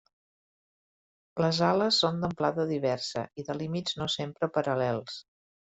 Les ales són d'amplada diversa i de límits no sempre paral·lels.